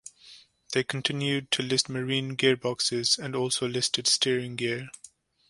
They continued to list marine gearboxes and also listed steering gear.